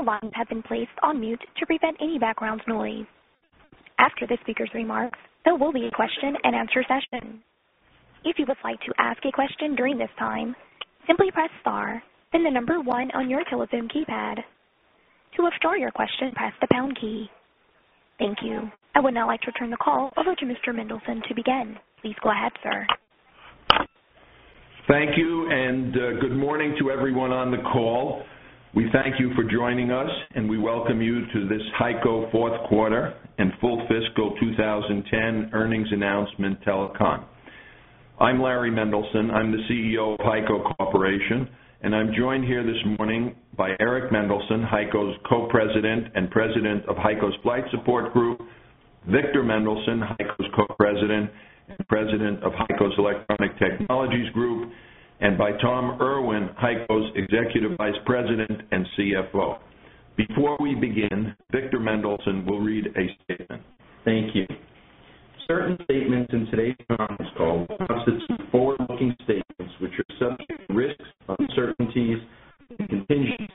All lines have been placed on mute to prevent any background noise. After the speakers' remarks, there will be a question and answer Thank you. I would now like to turn the call over to Mr. Mendelson to begin. Please go ahead, sir. Thank you, and good morning to everyone on the call. We thank you for joining us, and we welcome you to this HEICO 4th quarter and full fiscal 2010 earnings announcement telecom. I'm Larry Mendelson. I'm the CEO of HEICO Corporation, and I'm joined here this morning by Eric Mendelson, HEICO's Co President and President of HEICO's Flight Support Group Victor Mendelson, HEICO's Co President and President of HEICO's Electronic Technologies Group and by Tom Irwin, HEICO's Executive Vice President and CFO. Before we begin, Victor Mendelson will read a statement. Thank you. Certain statements in today's conference call constitute forward looking statements, which are subject to risks, uncertainties and contingencies.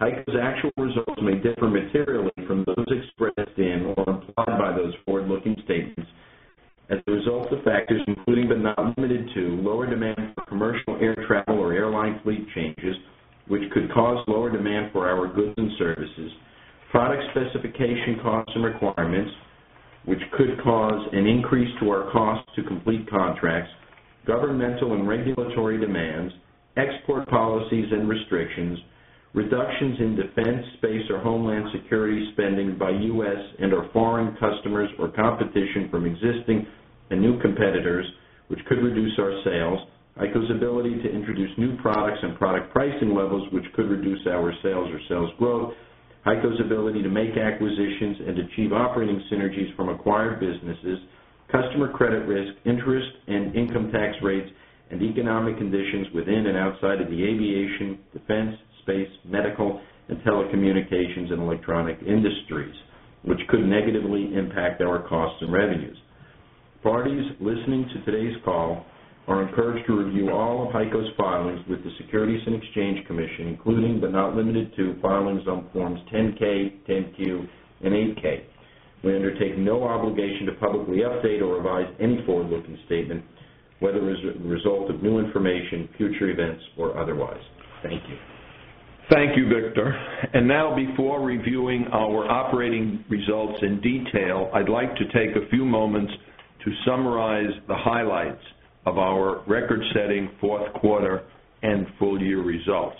HEICO's actual results may differ materially from those expressed and or implied by those forward looking statements as a result of factors including but not limited to lower demand for commercial air travel or airline fleet changes, which could cause lower demand for our goods and services product specification costs and requirements, which could cause an increase to our cost to complete contracts governmental and regulatory demands export policies and restrictions reductions in defense, space or homeland security spending by U. S. And or foreign customers or competition from existing and new competitors, which could reduce our sales HEICO's ability to introduce new products and product pricing levels, which could reduce our sales or sales growth HEICO's ability to make acquisitions and achieve operating synergies from acquired businesses, customer credit risk, interest and income tax rates and economic conditions within and outside of the aviation, defense, space, medical and telecommunications and electronic industries, which could negatively impact our costs and revenues. Parties listening to today's call are encouraged to review all of HEICO's filings with the Securities and Exchange Commission, including but not limited to filings on Forms 10 ks, 10 Q and 8 ks. We undertake no obligation to publicly result of new information, future events or otherwise. Thank you. Thank you, Victor. And now before reviewing our operating results in detail, I'd like to take a few moments to summarize the highlights of our record setting 4th quarter and full year results.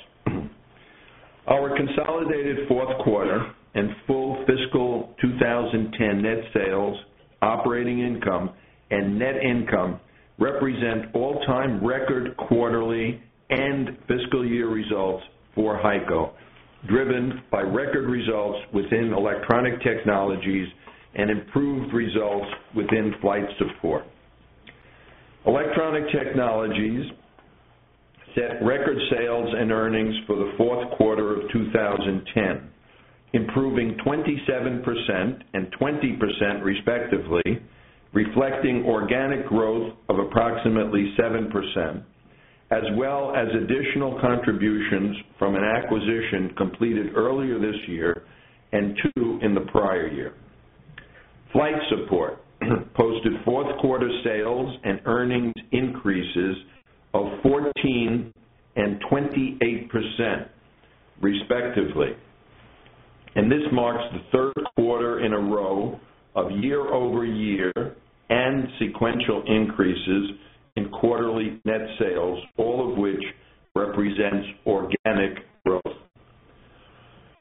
Our consolidated 4th quarter and full fiscal 2010 net sales, operating income and net income represent all time record quarterly and fiscal year results for HEICO, driven by record results within Electronic Technologies and improved results within Flight Support. Electronic Technologies set record sales and earnings for the Q4 of 2010, improving 27% 20%, respectively, reflecting organic growth of approximately 7%, as well as additional contributions from an acquisition completed earlier this year and 2 in the prior year. Flight Support posted 4th quarter sales and earnings increases of 14% and 28%, respectively. And this marks the 3rd quarter in a row of year over year and sequential increases in quarterly net sales, all of which represents organic growth.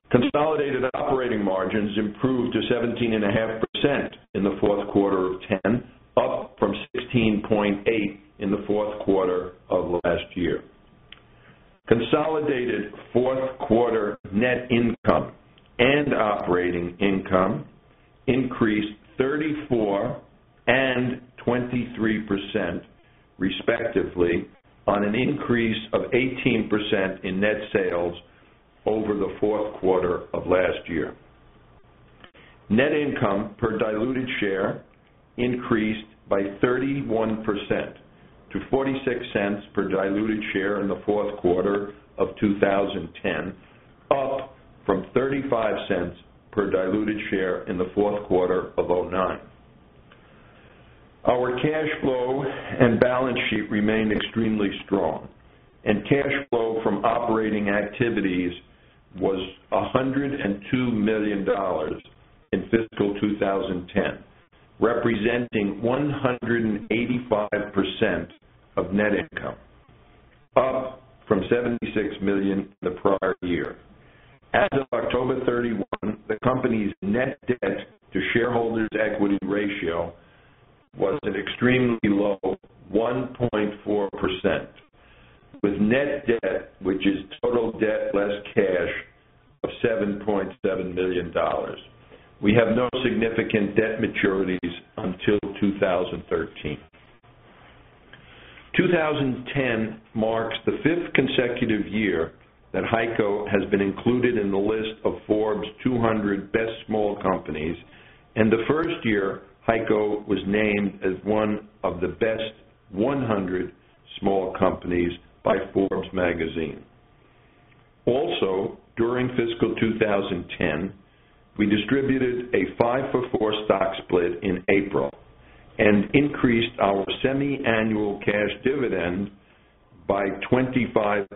Consolidated operating margins improved to 17.5% in the Q4 of 20 10, up from 16.8% in the Q4 of last year. Consolidated 4th quarter net income and operating income increased 34% 23% respectively on an increase of 18% in net sales over the Q4 of last year. Net income per diluted share increased by 31 percent to $0.46 per diluted share in the 4th quarter of 2010, up from $0.35 per diluted share in the Q4 of 'nine. Our cash flow and balance sheet remained extremely strong and cash flow from operating activities was $102,000,000 in fiscal 2010, representing 185 percent of net income, up from $76,000,000 in the prior year. As of October 31, the company's net debt to shareholders' equity ratio was at extremely low, 1.4%, with net debt, which is total debt less cash of $7,700,000 We have no significant debt maturities until 2013. 2010 marks the 5th consecutive year that HEICO has been included in the list of Forbes 200 Best Small Companies and the 1st year HEICO was named as one of the best 100 Small Companies by Forbes Magazine. Also during fiscal 2010, we distributed a 5 for-four stock split in April and increased our semi annual cash dividend by 25%,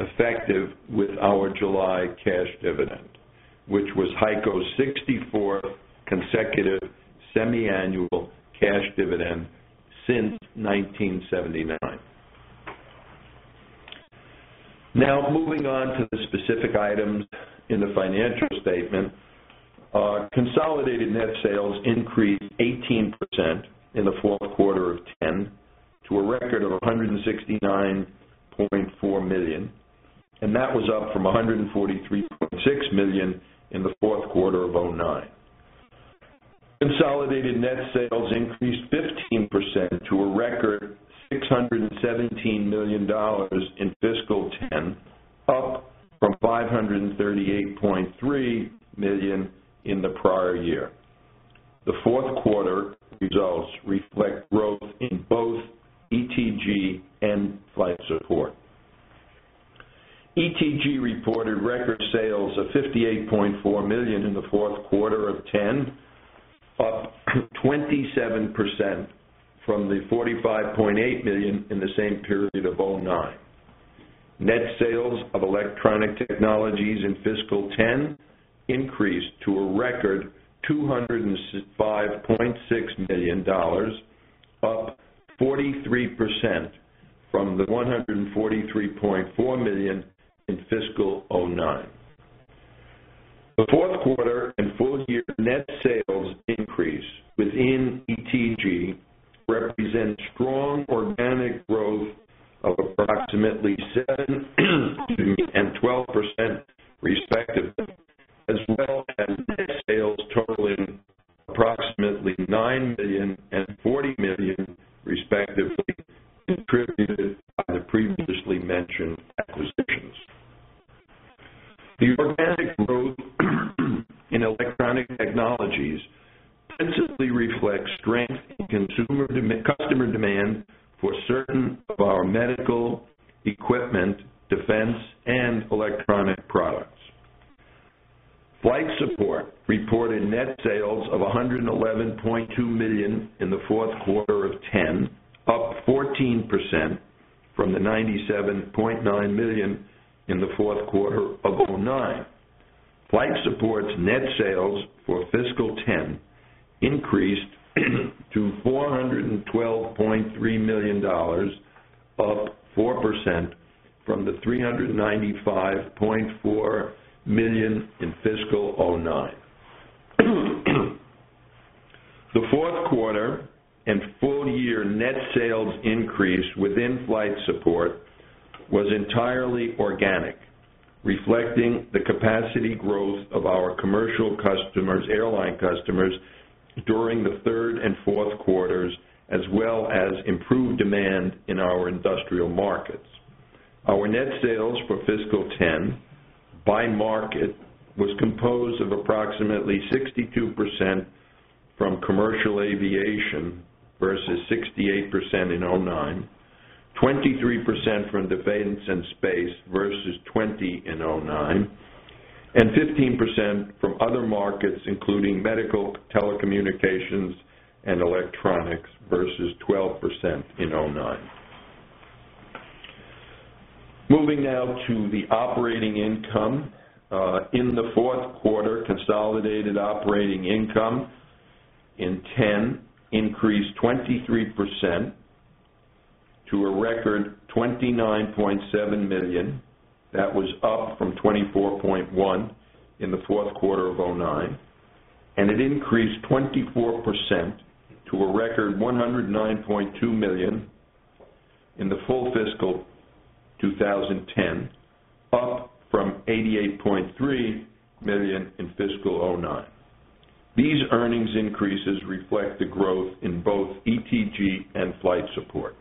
effective with our July cash dividend, which was HEICO 64th consecutive semiannual cash dividend since 1979. Now moving on to the specific items in the financial statement. Consolidated net sales increased 18% in the Q4 of 20 10 to a record of 169 $400,000 and that was up from $143,600,000 in the Q4 of 'nine. Consolidated net sales increased 15% to a record $617,000,000 in fiscal 'ten, up from $538,300,000 in the prior year. The 4th quarter results reflect growth in both ETG and Flight Support. ETG reported record sales of $58,400,000 in the Q4 of 20 10, up 27% from the $45,800,000 in the same period of 2009. Net sales of Electronic Technologies in fiscal 20 10 increased to a record $205,600,000 up 43% from the $143,400,000 in fiscal 2009. The 4th quarter and full year net sales increase within ETG represents strong organic growth of approximately 7% to a record 109,200,000 dollars in the full fiscal 2010, up from $88,300,000 in fiscal 2009. These earnings increases reflect the growth in both ETG and Flight Support.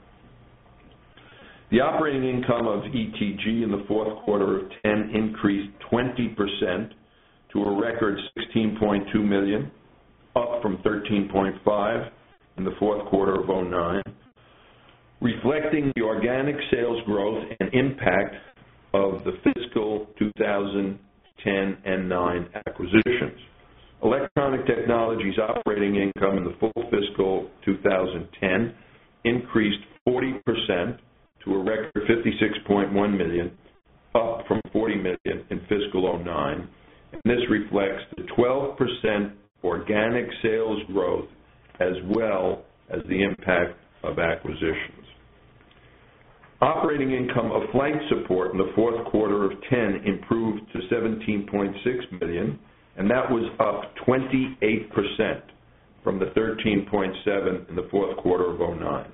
The operating income of ETG in the Q4 of 20 10 increased 20% to a record 16,200,000 dollars up from 13.5 percent in the Q4 of 2009, reflecting the organic sales growth and impact of the fiscal 20 10,009 acquisitions. Electronic Technologies operating income in the full fiscal 2010 increased 40% to a record $56,100,000 up from $40,000,000 in fiscal 'nine This reflects the 12% organic sales growth as well as the impact of acquisitions. Operating income of Flight Support in the Q4 of 20 10 improved to $17,600,000 and that was up 28% from the $13,700,000 in the Q4 of 2009.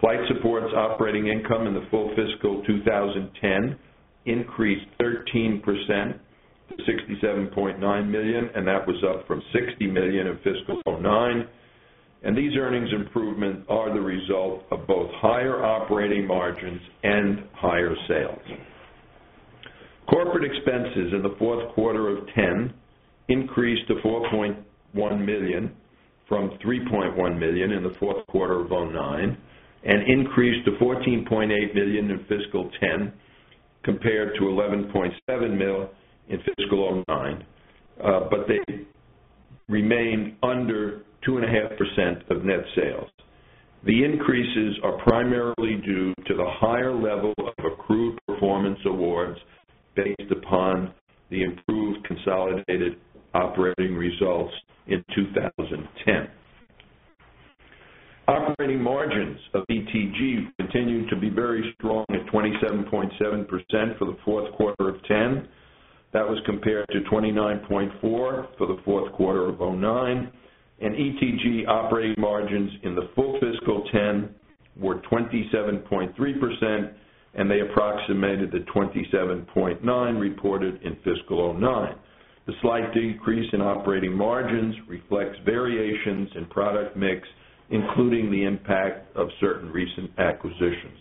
Flight Support's operating income in the full fiscal 2010 increased 13% to $67,900,000 and that was up from $60,000,000 in fiscal 'nine. And these earnings improvements are the result of both higher operating margins and higher sales. Corporate expenses in the Q4 of 20 10 increased to $4,100,000 from $3,100,000 in the Q4 of 20 9 and increased to $14,800,000 in fiscal 20 10 compared to $11,700,000 in fiscal 20 9, but they remained under 2.5% of net sales. The increases are primarily due to the higher level of accrued performance awards based upon the improved consolidated operating results in 2010. Operating margins of ETG continued to be very strong at 27.7 percent for the Q4 of 20 10. That was compared to 29.4% for the Q4 of 20 9 and ETG operating margins in the full fiscal 20 10 were 27.3% and they approximated the 27.9% reported in fiscal 'nine. The slight decrease in operating margins reflects variations in product mix, including the impact of certain recent acquisitions.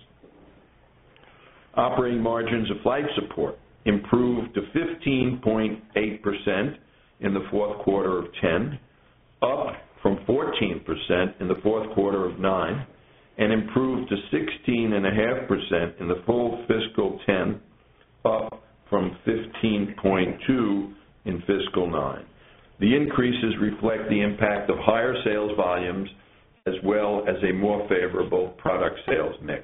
Operating margins of Flight Support improved to 15.8% in the Q4 of 20 10, up from 14% in the Q4 of 20 9 and improved to 16.5% in the full fiscal 20 10, up from 15.2% in fiscal 20 9. The increases reflect the impact of higher sales volumes as well as a more favorable product sales mix.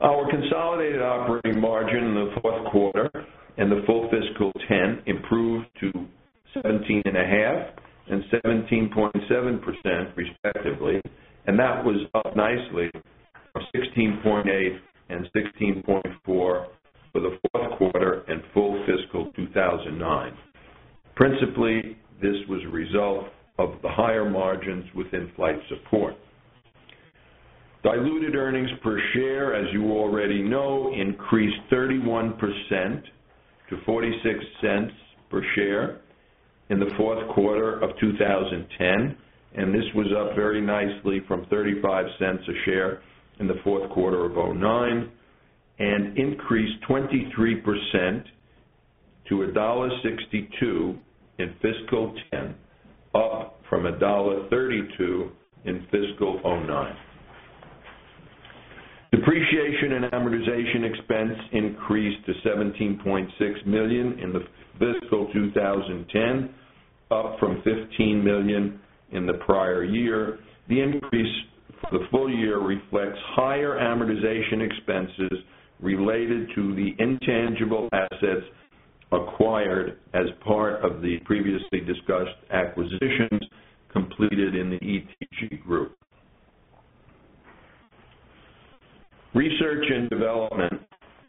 Our consolidated operating margin in the 4th quarter and the full fiscal 'ten improved to 17.5% 17.7%, respectively, and that was up nicely from 16.8% 16.4% for the Q4 and full fiscal 2,009. Principally, this was a result of the higher margins within Flight Support. Diluted earnings per share, as you already know, increased 31% to $0.46 per share in the Q4 of 2010, and this was up very nicely from $0.35 a share in the Q4 of 2009 and increased 23% to $1.62 in fiscal 20 10, up from $1.32 in fiscal 20 9. Depreciation and amortization expense increased to $17,600,000 in the fiscal 2010, up from $15,000,000 in the prior year. The increase for the full year reflects higher amortization expenses related to the intangible assets acquired as part of the previously discussed acquisitions completed in the ETG Group. Research and development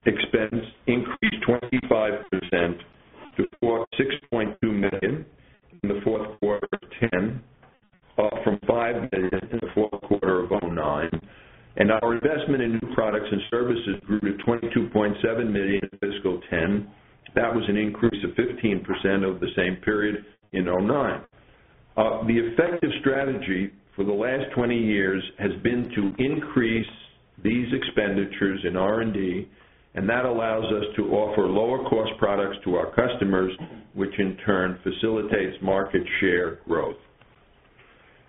expense increased 25 percent to $6,200,000 in the Q4 of 'ten, up from $5,000,000 in the Q4 of 20 2,009. And our investment in new products and services grew to $22,700,000 in fiscal 20 10. That was an increase of 15% over the same period in 2009. The effective strategy for the last 20 years has been to increase these expenditures in R and D and that allows us to offer lower cost products to our customers, which in turn facilitates market share growth.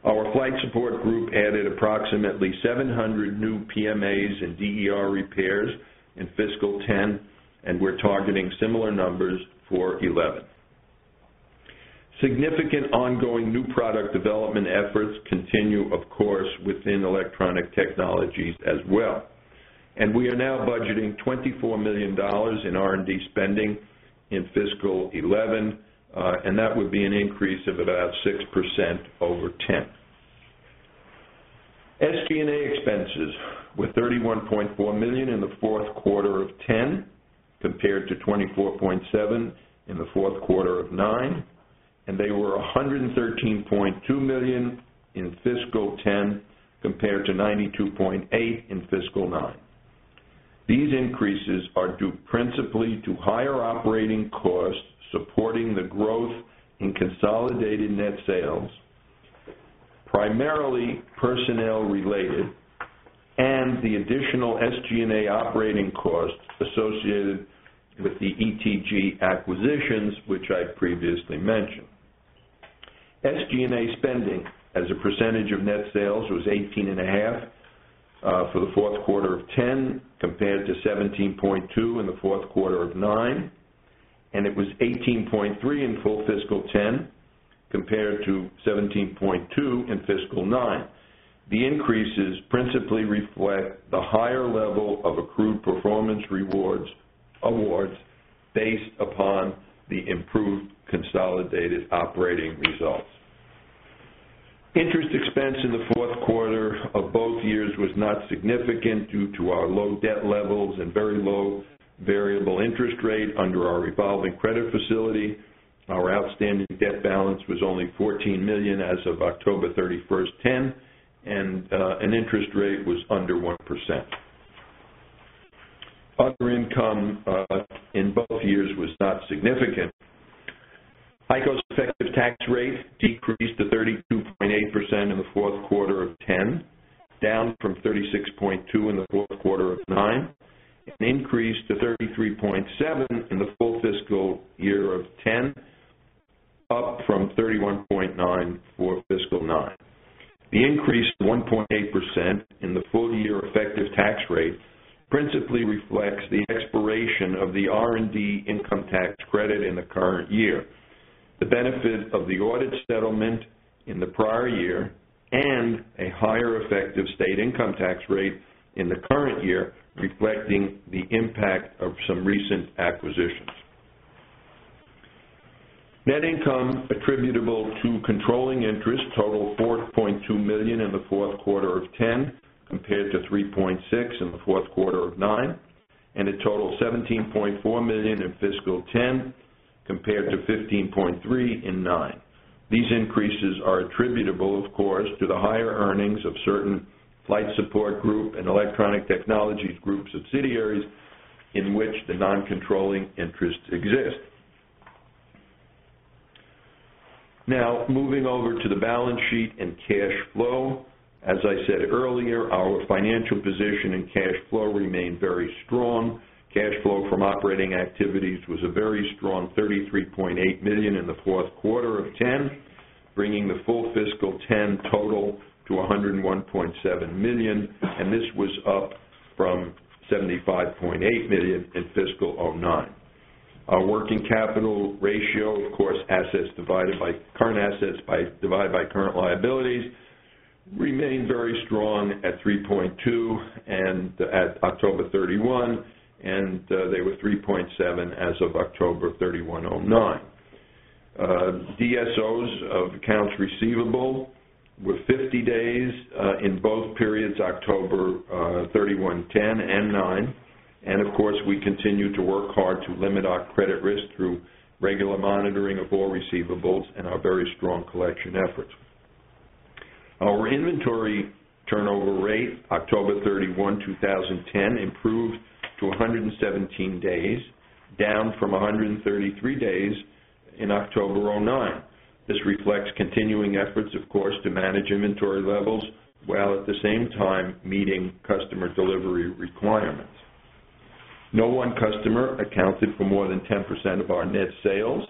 Our Flight Support Group added approximately 700 new PMAs and DER repairs in fiscal 20 10 10, and we're targeting similar numbers for 2011. Significant ongoing new product development efforts continue, of course, within electronic technologies as well. And we are now budgeting $24,000,000 in R and D spending in fiscal 2011, and that would be an increase of about 6% over 10%. SG and A expenses were $31,400,000 in the Q4 of 20 10 compared to $24,700,000 in the Q4 of 20 9 and they were $113,200,000 in fiscal 20 10 compared to $92,800,000 in fiscal 20 9. These increases are due principally to higher operating costs supporting the growth in consolidated net sales, primarily personnel related and the additional SG and A operating costs associated with the ETG acquisitions, which I previously mentioned. SG and A spending as a percentage of net sales was 18.5 percent for the Q4 of 20 10 compared to 17.2 percent in the Q4 of 20 9 and it was 18.3 percent in full fiscal 20 10 compared to 17.2% in fiscal 20 9. The increases principally reflect the higher level of accrued performance awards based upon the improved consolidated operating results. Interest expense in the Q4 of both years was not significant due to our low debt levels and very low variable interest rate under our revolving credit facility. Our outstanding debt balance was only $14,000,000 as of October 31, 10 and an interest rate was under 1%. Other income in both years was not significant. HEICO's effective tax rate decreased to 32.8 percent in the Q4 of 'ten, down from 36.2% in the Q4 of 'nine, an increase to 33.7% in the full fiscal year of 'ten, up from 31.9% for fiscal 'nine. The increase of 1.8% in the full year effective tax rate principally reflects the expiration of the R and D income tax credit in the current year. The benefit of the audit settlement in the prior year and a higher effective state income tax rate in the current year reflecting the impact of some recent acquisitions. Net income attributable to controlling interest totaled $4,200,000 in the Q4 of 'ten compared to $3,600,000 in the Q4 of 'nine and it totaled $17,400,000 in fiscal 20 10 compared to 15.3 of course to the higher earnings of certain Flight Support Group and Electronic Technologies Group subsidiaries in which the non controlling interests exist. Now moving over to the balance sheet and cash flow. As I said earlier, our financial position and cash flow remain very strong. Cash flow from operating activities was a very strong $33,800,000 in the Q4 of 'ten, bringing the full fiscal 'ten total to $101,700,000 and this was up from $75,800,000 in fiscal 'nine. Our working capital ratio, of course, assets divided by current assets divided by current liabilities remain very strong at 3.2@October31 and they were 3 point 7 as of October 30 1,009. DSOs of accounts receivable were 50 days in both periods October 30 1, 2010 and 20 9. And of course, we continue to work hard to limit our credit risk through regular monitoring of all receivables and our very strong collection efforts. Our inventory turnover rate, October 31, 2010 improved to 117 days, down from 133 days in October 2009. This reflects continuing efforts of course to manage inventory levels, while at the same time meeting customer delivery requirements. No one customer accounted for more than 10% of our net sales.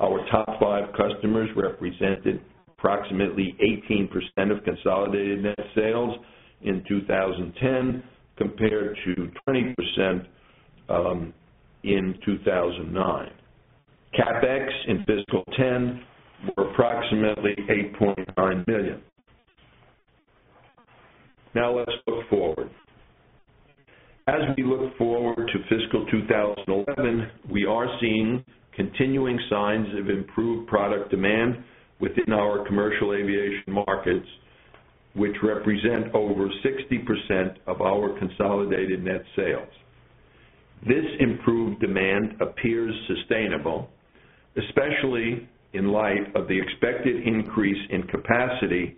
Our top 5 customers represented approximately 18% of consolidated net sales in 2010 compared to 20% in 2,009. CapEx in fiscal 20 10 were approximately 8,900,000 dollars Now let's look forward. As we look forward to fiscal 2011, we are seeing continuing signs of improved product demand within our commercial aviation markets, which represent over 60% of our consolidated net sales. This improved demand appears sustainable, especially in light of the expected increase in capacity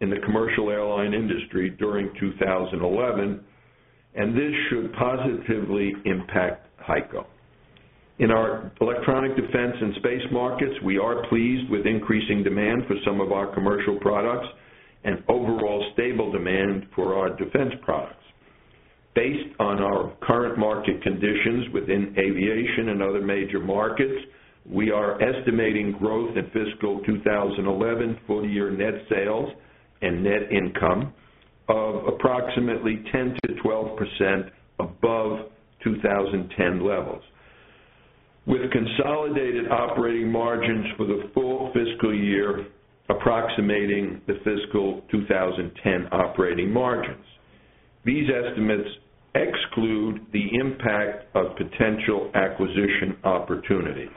in the commercial airline industry during 2011, and this should positively impact HEICO. In our electronic defense and space markets, we are pleased with increasing demand for some of our commercial products and overall stable demand for our defense products. Based on our current market conditions within aviation and other major markets, we are estimating growth in fiscal 2011 full year net sales and net income of approximately 10% to 12% above 2010 levels, with consolidated operating margins for the full fiscal year approximating the fiscal 20 10 operating margins. These estimates exclude the impact of potential acquisition opportunities.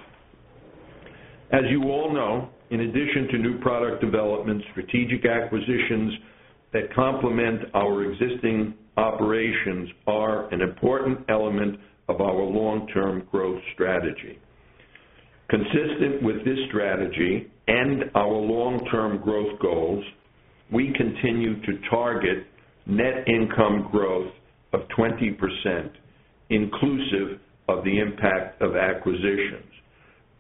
As you all know, in addition to new product development, strategic acquisitions that complement our existing operations are an important element of our long term growth strategy. Consistent with this strategy and our long term growth goals, we continue to target net income growth of 20%, inclusive of the impact of acquisitions.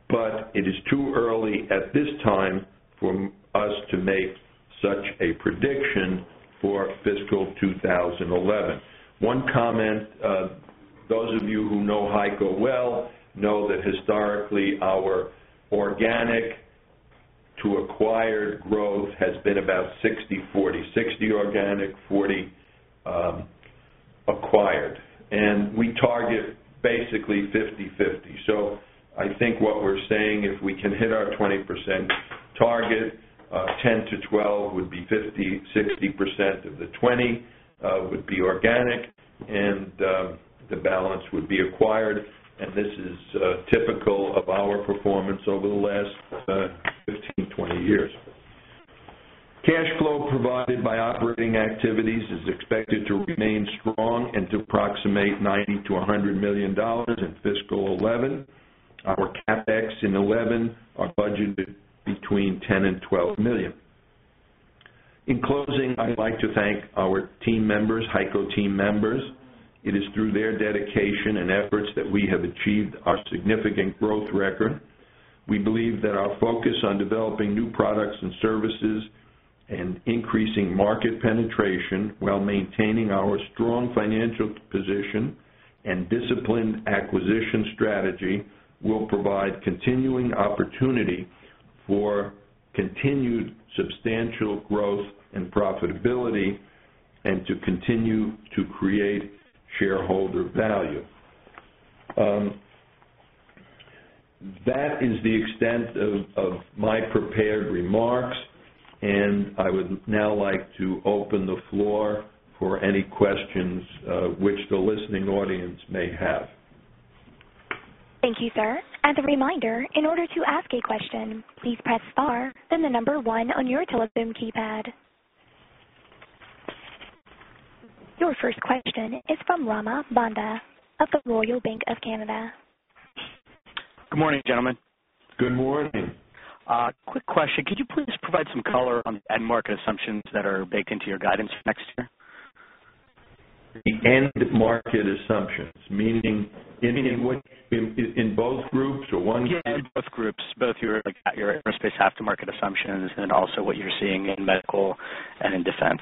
But it is too early at this time for us to make such a prediction for fiscal 2011. One comment, those of you who know HEICO well know that historically our organic to acquired growth has been about sixty-forty, 60 organic, 40 acquired. And we target basically fifty-fifty. So I think what we're saying if we can hit our 20% target, 10% to 12% would be 50%, 60% of the 20 percent would be organic and the balance would be acquired and this is typical of our performance over the last 15, 20 years. Cash flow provided by operating activities is expected to remain strong and to approximate $90,000,000 to $100,000,000 in fiscal 2011. Our CapEx in 2011 our budgeted between $10,000,000 $12,000,000 In closing, I'd like to thank our team members, HEICO team members. It is through their dedication and efforts that we have achieved our significant growth record. We believe that our focus on developing new products and services and increasing market penetration while maintaining our strong financial position and disciplined acquisition strategy will provide continuing opportunity for continued substantial growth and profitability and to continue to create shareholder value. That is the extent of my prepared remarks. And I would now like to open the floor for any questions, which the listening audience may have. Thank you, sir. Your first question is from Rama Banda of Royal Bank of Canada. Good morning, gentlemen. Good morning. Quick question. Could you please provide some color on the end market assumptions that are baked into your guidance for next year? The end market assumptions, meaning in both groups or one group? In both groups, both your aerospace half to market assumptions and also what you're seeing in medical and in defense?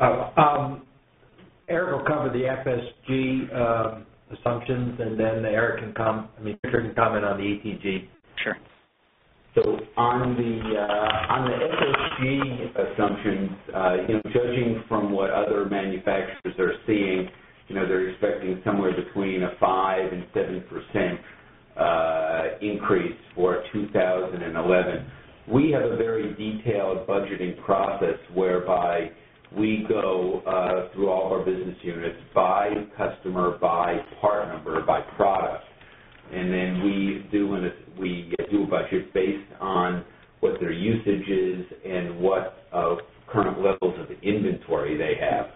Eric will cover the FSG assumptions and then Eric can come I mean, Richard can comment on the ATG. Sure. So on the FSG assumptions, judging from what other manufacturers are seeing, they're expecting somewhere between a 5% 7% increase for 2011. We have a very detailed budgeting process whereby we go through all of our business units by customer, by part number, by product. And then we do we get to budget based on what their usage is and what current levels of inventory they have.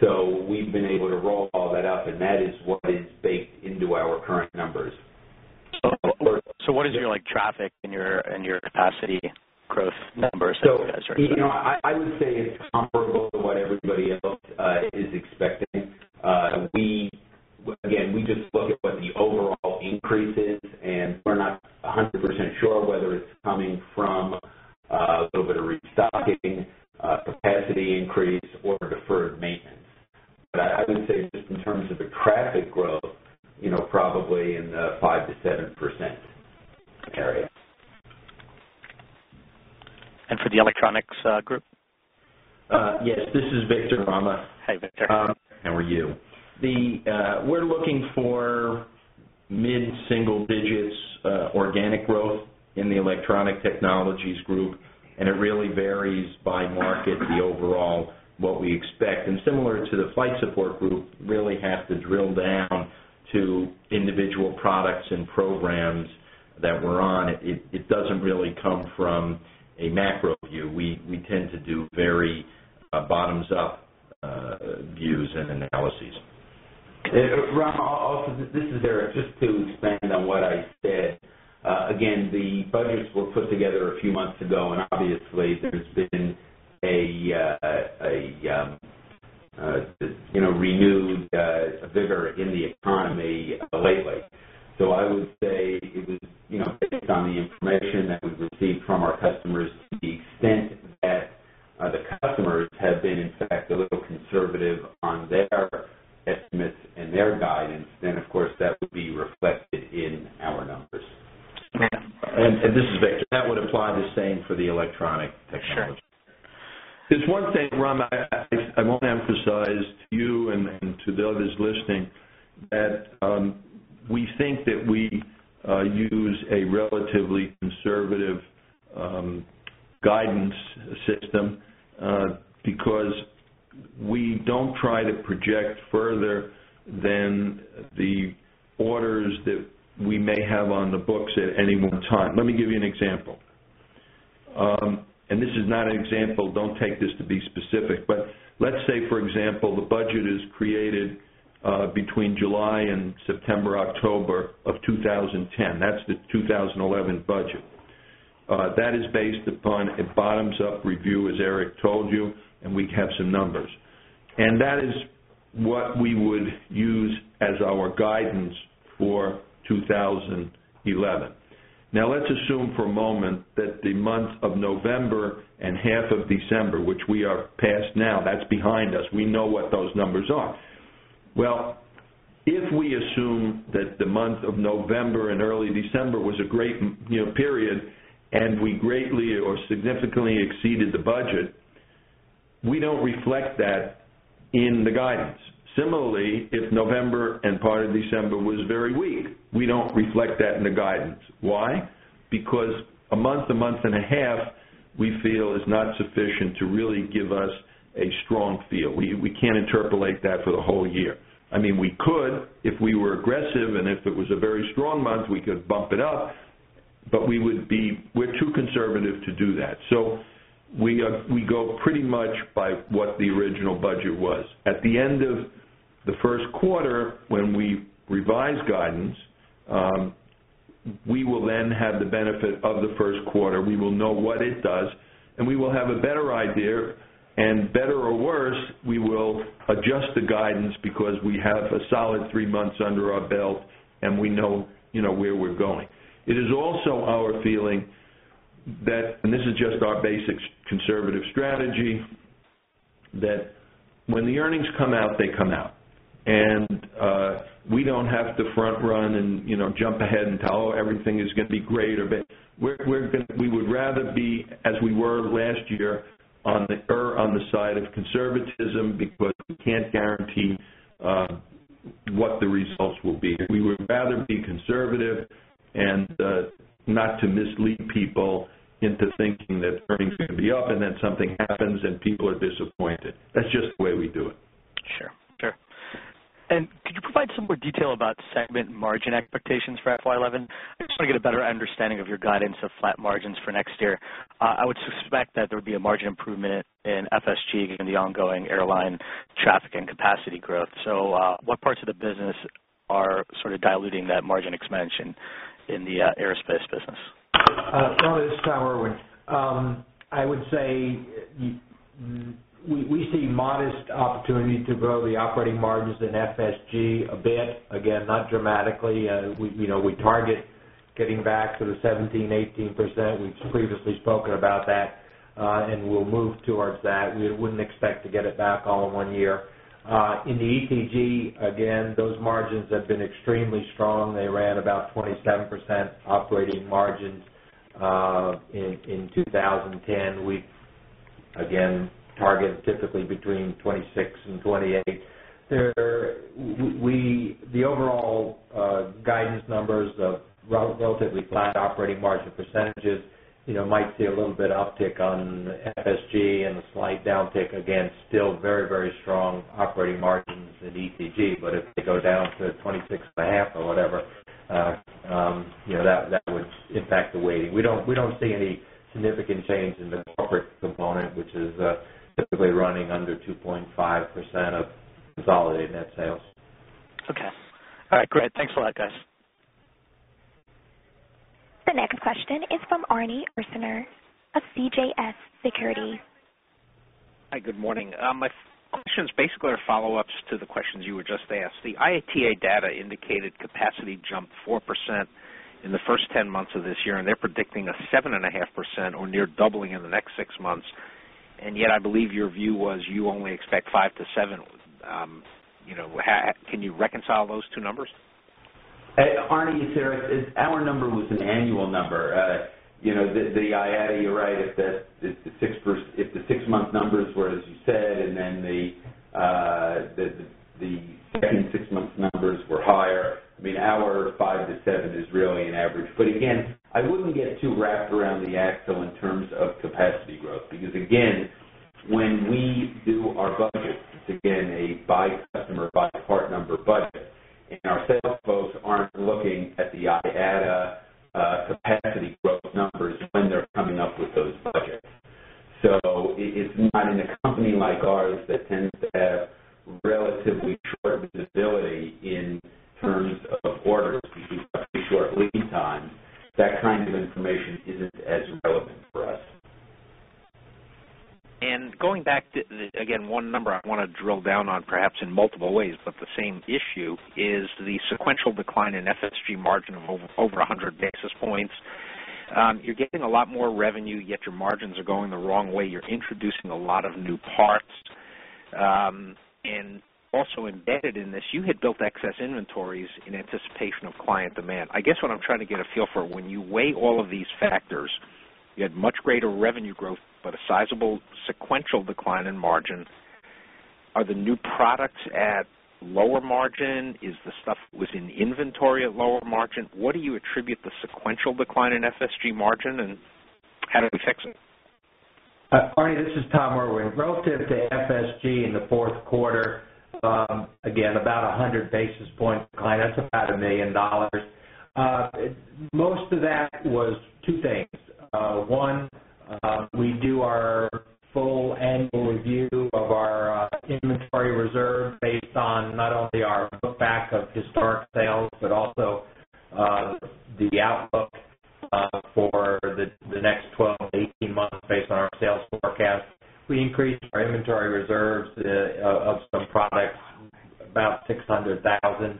So we've been able to roll all that up and that is what is baked into our current numbers. So what is your like traffic and your capacity growth numbers? I would say it's comparable to what everybody else is expecting. Again, we just look at what the overall increase is and we're not 100% sure whether it's coming from a little bit of restocking, capacity increase or deferred maintenance. But I would say just in terms of the traffic growth, probably in the 5% to 7% area. And for the Electronics Group? Yes. This is Victor Gama. Hi, Victor. How are you? We're looking for mid single digits organic growth in the Electronic Technologies Group and it really varies by market the overall what we expect. And similar to the Flight Support Group, really have to drill down to individual products and programs that we're on. It doesn't really come from a macro view. We tend to do very bottoms up views and analyses. Ram, this is Eric. Just to expand on what I said, again, the budgets were put together a few months ago. And obviously, there's been a renewed vigor in the economy lately. So I would we don't reflect that in the guidance. Similarly, if November and part of December was very weak, we don't reflect that in the guidance. Why? Because a month to 1.5 months, we feel is not sufficient to really give us a strong feel. We can't interpolate that for the whole year. I mean, we could, if we were aggressive and if it was a very strong month, we could bump it up, but we would be we're too conservative to do that. So we go pretty much by what the original budget was. At the end of the Q1 when we revised guidance, we will then have the benefit of the Q1. We will know what it does and we will have a better idea and better or worse, we will adjust the guidance because we have a solid 3 months under our belt and we know where we're going. It is also our feeling that and this is just our basic conservative strategy that when the earnings come out, they come out. And we don't have to front run and jump ahead and tell everything is going to be greater. We're going to we would rather be, as we were last year, on the side of conservatism because we can't guarantee what the results will be. We would rather be conservative and not to mislead people into thinking that earnings can be up and then something happens and people are disappointed. That's just the way we do it. Sure. And could you provide some more detail about segment margin expectations for FY 2011? I just want to get a better understanding of your guidance of flat margins for next year. I would suspect that there would be a margin improvement in FSG in the ongoing airline traffic and capacity growth. So what parts of the business are sort of diluting that margin expansion in the aerospace business? Robert, it's Tom Irwin. I would say we see modest opportunity to grow the operating margins in FSG a bit, again, not dramatically. We target getting back to the 17%, 18%. We've previously spoken about that and we'll move towards that. We wouldn't expect to get it back all in 1 year. In the ETG, again, those margins have been extremely strong. They ran about 27% operating margins in 2010. We again target typically between 26% 28 There we the overall guidance numbers of relatively flat operating margin percentages might see a little bit uptick on FSG and a slight downtick against still very, very strong operating margins at ECG. But if they go down to 26 0.5% or whatever, that would impact the weighting. We don't see any significant change in the corporate component, which is typically running under 2.5% of consolidated net sales. Okay. All right, great. Thanks a lot guys. The next question is from Arne Ursiner of CJS Securities. Hi, good morning. My question is basically follow ups to the questions you were just asked. The IATA data indicated capacity jumped 4% in the 1st 10 months of this year and they're predicting a 7.5% or near doubling in the next 6 months. And yet I believe your view was you only expect 5% to 7 Can you reconcile those two numbers? Arne, it's Eric. Our number was an annual number. The I add, you're right, if the 6 month numbers were, as you said, and then the 2nd 6 months numbers were higher. I mean our 5% to 7% is really an average. But again, I wouldn't get too wrapped around the in terms of capacity growth, because again, when we do our budget, it's again a by customer, by part number budget and our sales folks aren't looking at the IATA capacity growth numbers when they're coming up with those budgets. So it's not in a company like ours that tends to have relatively short visibility in terms of orders, because we have a short lead time, that kind of information isn't as relevant for us. And going back to again, one number I want to drill down on perhaps in multiple ways, but the same issue is the sequential decline in FSG margin of over 100 basis points. You're getting a lot more revenue, yet your margins are going the wrong way. You're introducing a lot of new parts. And also embedded in this, you had built excess inventories in anticipation of client demand. I guess what I'm trying to get a feel for when you weigh all of these factors, you had much greater revenue growth, but a sizable sequential decline in margin. Are the new products at lower margin? Is the stuff within inventory at lower margin? What do you attribute the sequential decline in FSG margin? And how do we fix it? Arne, this is Tom Irwin. Relative to FSG in the 4th quarter, again, about 100 basis points decline, that's about $1,000,000 Most of that was 2 things. 1, we do our full annual review of our inventory reserve based on not only our back of historic sales, but also the outlook for the next 12 to 18 months based on our sales forecast. We increased our inventory reserves of some products about $600,000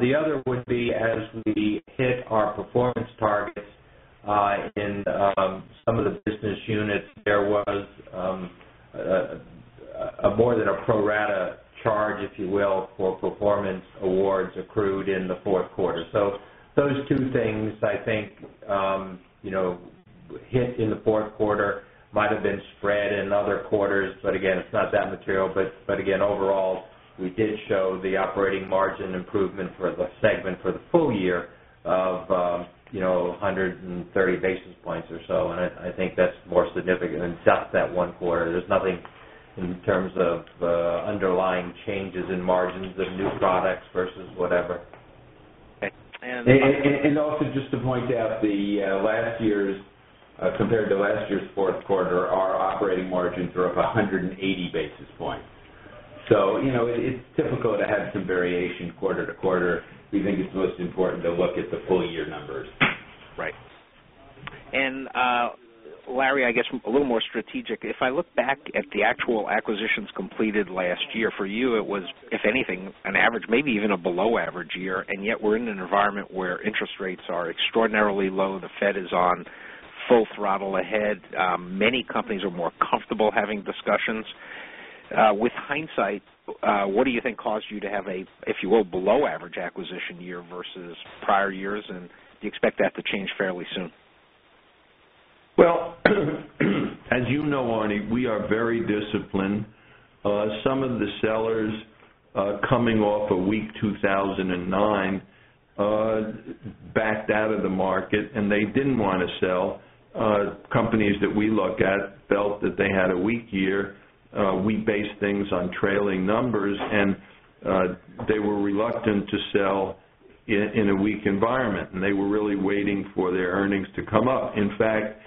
The other would be as we hit our performance targets in some of the business units, there was more than a pro rata charge, if you will, for performance awards accrued in the Q4. So those two things, I think, hit in the Q4 might have been spread in other quarters, but again, it's not that material. But again, overall, we did show the operating margin improvement for the segment for the full year of 130 basis points or so. And I think that's more significant than just that 1 quarter. There's nothing in terms of underlying changes in margins of new products versus whatever. And also just to point out the last year's compared to last year's Q4, our operating margins were up 180 basis points. So it's difficult to have some variation quarter to quarter. We think it's most important to look at the full year numbers. Right. And Larry, I guess a little more strategic. If I look back at the actual acquisitions completed last year for you, it was if anything an average, maybe even a below average year and yet we're in an environment where interest rates are extraordinarily low. The Fed is on full throttle ahead. Many companies are more comfortable having discussions. With hindsight, what do you think caused you to have a, if you will, below average acquisition year versus prior years? And do you expect that to change fairly soon? Well, as you know, Arne, we are very disciplined. Some of the sellers coming off a week 2,009 backed out of the market and they didn't want to sell. Companies that we look at felt that they had a weak year. We based things on trailing numbers and they were reluctant to sell in a weak environment and they were really waiting for their earnings to come up. In fact,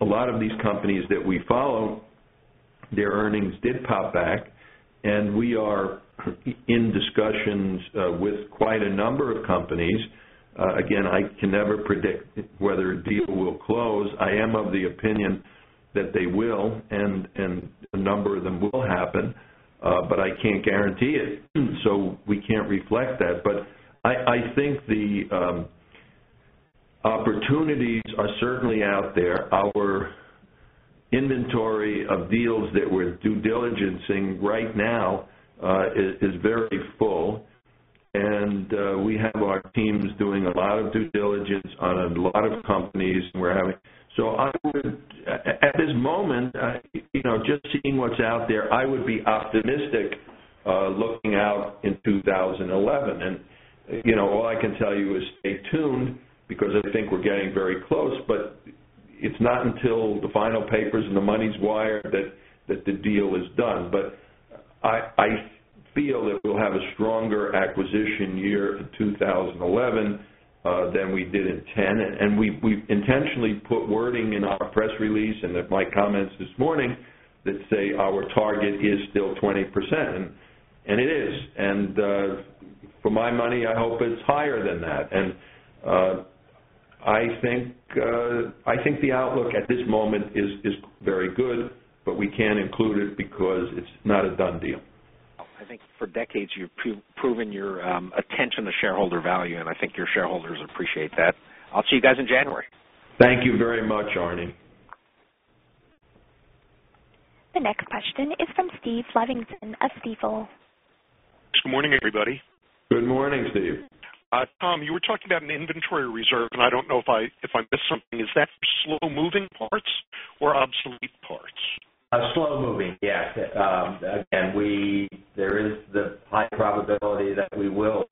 a lot of these companies that we follow, their earnings did pop back and we are in discussions with quite a number of companies. Again, I can never predict whether a deal will close. I am of the opinion that they will and a number of them will happen, but I can't guarantee it. So we can't reflect that. But I think the opportunities are certainly out there. Our inventory of deals that we're due diligence seeing right now is very full. And we have our teams doing a lot of due diligence on a lot of companies we're having. So I would at this moment, just seeing what's out there, I would be optimistic looking out in 2011. And all I can tell you is stay tuned because I think we're getting very close, but it's not until the final papers and the money's wired that the deal is done. But I feel that we'll have a stronger acquisition year in 2011 than we did in 'ten. And we've intentionally put wording in our press release and in my comments this morning that say our target is still 20%, and it is. And for my money, I hope it's higher than that. And I think the outlook at this moment is very good, but we can't include it because it's not a done deal. I think for decades, you have proven your attention to shareholder value and I think your shareholders appreciate that. I'll see you guys in January. Thank you very much Arne. The next question is from Steve Flemington of Stifel. Good morning, everybody. Good morning, Steve. Tom, you were talking about an inventory reserve and I don't know if I missed something. Is that slow moving parts or obsolete parts? Slow moving, yes. Again, we there is the high probability that we will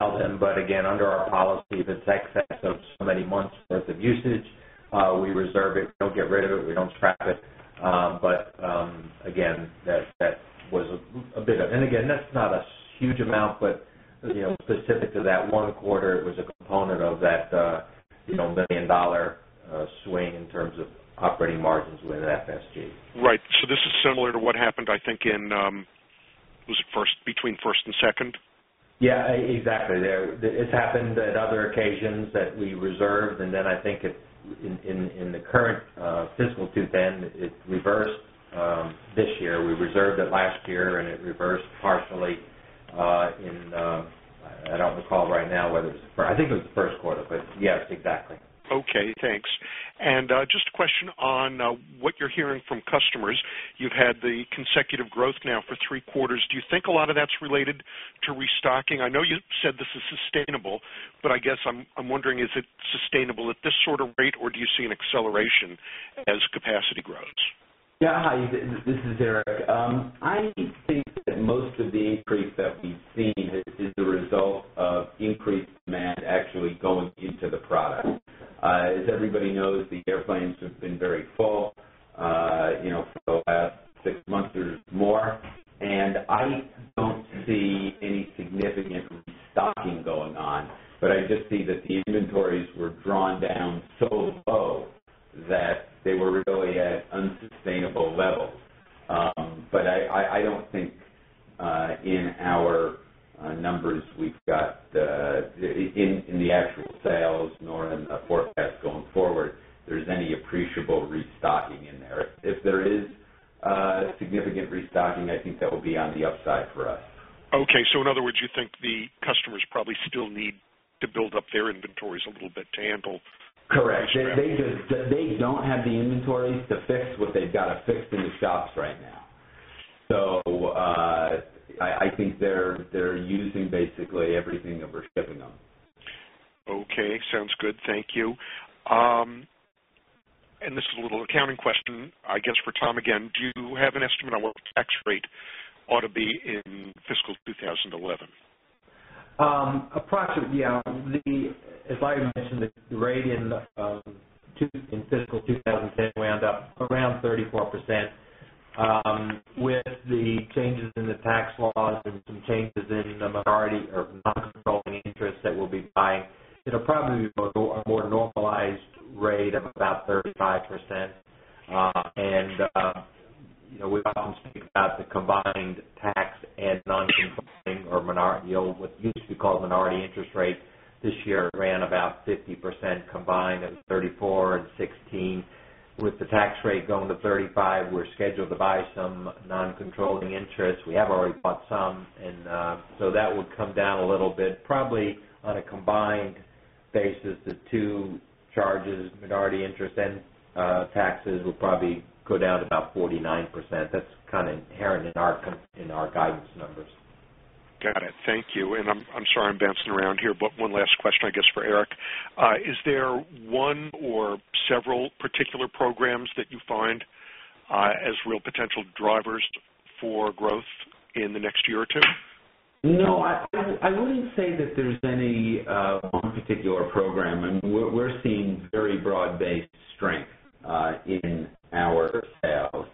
sell them. But again, under our policy, that's excess of so many months worth of usage. We reserve it, we don't get rid of it, we don't scrap it. But again, that was a bit of and again, that's not a huge amount, but specific to that 1 quarter, it was a component of that $1,000,000 swing in terms of operating margins within FSG. Right. So this is similar to what happened, I think, in was it first between first and second? Yes, exactly there. It's happened at other occasions that we reserved and then I think in the current fiscal 2 then it reversed this year. We reserved it last year and it reversed partially in I don't recall right now whether it's I think it was the Q1, but yes, exactly. Okay. Thanks. And just a question on what you're hearing from customers. You've had the consecutive growth now for 3 quarters. Do you think a lot of that's related to restocking? I know you said this is sustainable, but I guess I'm wondering is it sustainable at this sort of rate or do you see an acceleration as capacity grows? Yes. Hi, this is Eric. I think that most of the increase that we've seen is the result of increased demand actually going into the product. As everybody knows, the airplanes have been very full for the last 6 months or more. And I don't see any significant stocking going on, but I just see that the inventories were drawn down so low that they were really at unsustainable levels. But I don't think in our numbers we've got in the actual sales nor in a forecast going forward, there's any appreciable restocking in there. If there is significant restocking, I think that will be on the upside for us. Okay. So in other words, you think the customers probably still need to build up their inventories a little bit to handle? Correct. They don't have the inventories to fix what they've got to fix in the shops right now. So I think they're using basically everything that we're shipping them. Okay, sounds good. Thank you. And this is a little accounting question, I guess, for Tom again. Do you have an estimate on what the tax rate ought to be in fiscal 2011? Approximately, yes. As I mentioned, the rate in fiscal 2010 wound up around 34%. With the changes in the tax laws and some changes in the minority of non controlling interest that we'll be buying, probably a more normalized rate of about 35%. And we often speak about the combined tax and noncombining or minority yield, what used to be called minority interest rate. This year it ran about 50% combined at 34% and 16%. Percent with the tax rate going to 35%, we're scheduled to buy some non controlling interest. We have already bought some and so that would come down a little bit probably on a combined basis, the 2 charges, minority interest and taxes will probably go down about 49%. Kind of inherent in our guidance numbers. Got it. Thank you. And I'm sorry, I'm bouncing around here, but one last question, I guess, for Eric. Is there one or several particular programs that you find as real potential drivers for growth in the next year or 2? No, I wouldn't say that there's any particular program. I mean, we're seeing very broad based strength in our sales,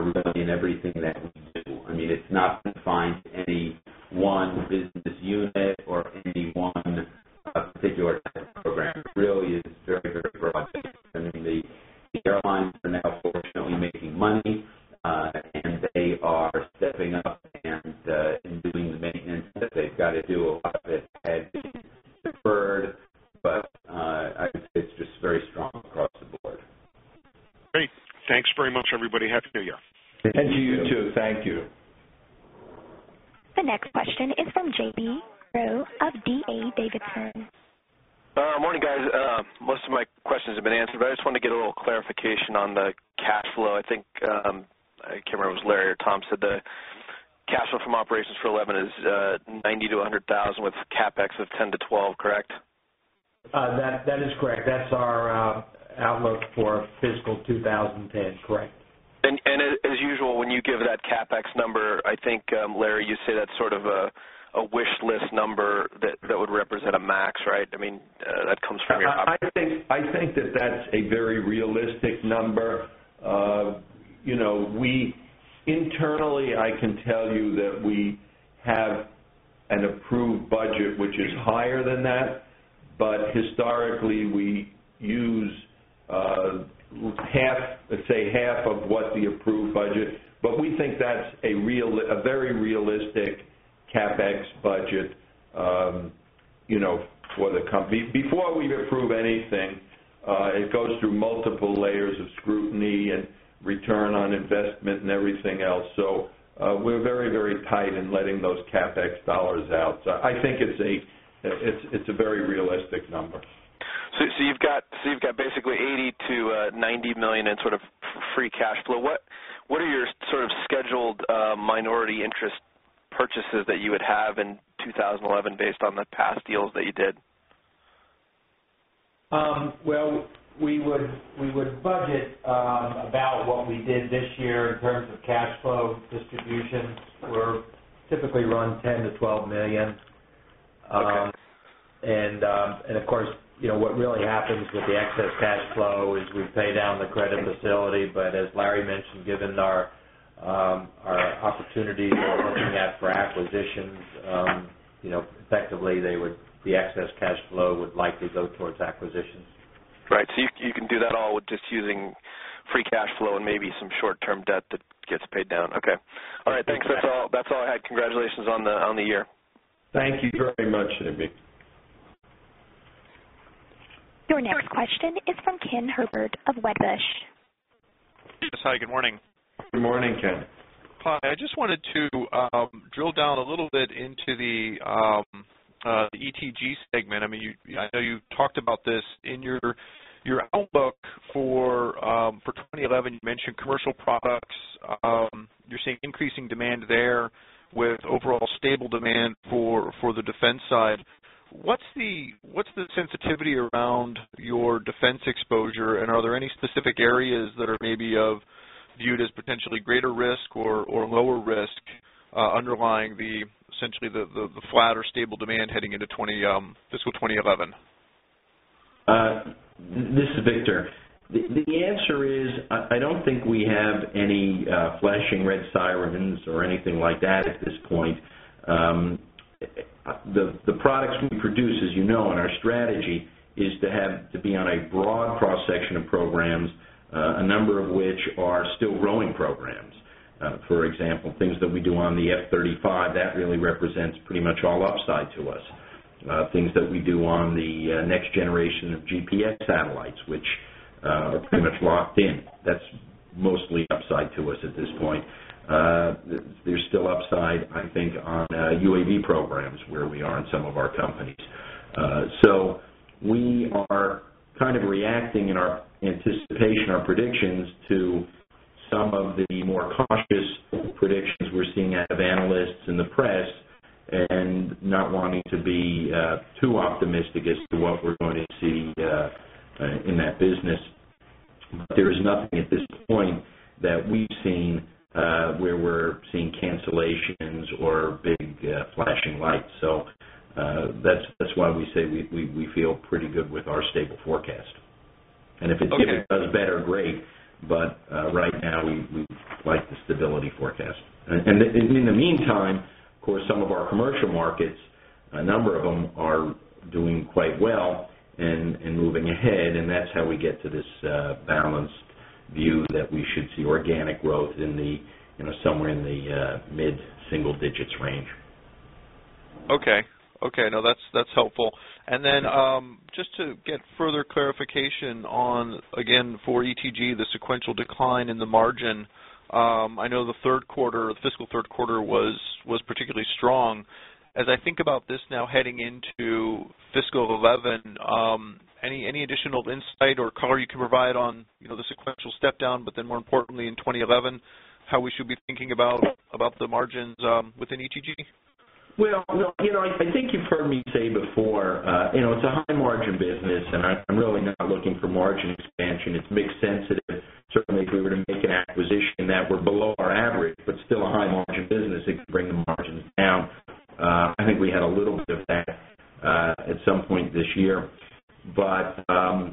really in everything that we do. I mean, it's not confined to any one business unit or any one particular type of program. It really is very, very broad. I mean, the airlines are now fortunately making money, and they are stepping up and doing the maintenance that they've got to do. A lot of it had deferred, but I would say it's just very strong across the board. Great. Thanks very much everybody. Happy to hear you. And to you too. Thank you. The next question is from J. B. Groh of D. A. Davidson. Good morning, guys. Most of my questions have been answered, but I just want to get a little clarification on the cash flow. I think I can't remember if it was Larry or Tom said the cash flow from operations for 2011 is $90,000 to $100,000 with CapEx of $10,000 to $12,000 correct? That is correct. That's our outlook for fiscal 2010, correct. And as usual, when you give that CapEx number, I think, Larry, you say that's sort of a wish list number that would represent a MAX, right? I mean, that comes from your property. I think that that's a very realistic number. We internally, I can tell you that we have an approved budget, which is higher than that. But historically, we use half, let's say, half of what the approved budget. But we think that's a real a very realistic CapEx budget for the company. Before we've approved anything, it goes through multiple layers of scrutiny and return on investment and everything else. So we're very, very tight in letting those CapEx dollars out. So I think it's a very realistic number. So you've got basically $80,000,000 to $90,000,000 in sort of free cash flow. What are your sort of scheduled minority interest purchases that you would have in 2011 based on the past deals that you did? Well, we would budget about what we did this year in terms of cash flow distributions were typically run $10,000,000 to $12,000,000 And of course, what really happens with the excess cash flow is we pay down the credit facility. But as Larry mentioned, given our opportunities we're looking at for acquisitions, effectively they would the excess cash flow would likely go towards acquisitions. Right. So you can do that all with just using free cash flow and maybe some short term debt that gets paid down. Okay. All right. Thanks. That's all I had. Congratulations on the year. Thank you very much, Dmitry. Your next question is from Ken Herbert of Wedbush. Hi, good morning. Good morning, Ken. Hi. I just wanted to drill down a little bit into the ETG segment. I mean, I know you talked about this in your outlook for 2011, you mentioned commercial products. You're seeing increasing demand there with overall stable demand for the defense side. What's the sensitivity around your defense exposure? And are there any specific areas that are maybe viewed as potentially greater risk or lower risk underlying the essentially the flat or stable demand heading into fiscal 2011? This is Victor. The answer is, I don't think we have any flashing red sirens or anything like that at this point. The products we produce, as you know, and our strategy is to have to be on a broad cross section of programs, a number of which are still growing programs. For example, things that we do on the F-thirty 5, that really represents pretty much all upside to us. Things that we do on the next generation of GPS satellites, which are pretty much locked in, that's mostly upside to us at this point. There's still upside, I think, on UAV programs where we are in some of our companies. So we are kind of reacting in our anticipation, our predictions to some of the more cautious predictions we're seeing out of analysts and the press and not wanting to be too optimistic as to what we're going to see in that business. There is nothing at this point that we've seen where we're seeing cancellations or big flashing lights. So that's why we say we feel pretty good with our stable forecast. And if it does better, great, but right now we like the stability forecast. And in the meantime, of course, some of our commercial markets, a number of them are doing quite well and moving ahead and that's how we get to this balanced view that we should see organic growth in the somewhere in the mid single digits range. Okay. Okay. No, that's helpful. And then, just to get further clarification on, again, for ETG, the sequential decline in the margin. I know the Q3 fiscal Q3 was particularly strong. As I think about this now heading into fiscal 2011, any additional insight or color you can provide on the sequential step down, but then more importantly in 2011, how we should be thinking about the margins within ETG? Well, I think you've heard me say before, it's a high margin business and I'm really not looking for margin expansion. It makes sense that certainly if we were to make an acquisition that were below our average, but still a high margin business, it could bring the margins down. I think we had a little bit of that at some point this year. But I